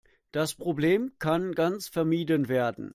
Das Problem kann ganz vermieden werden.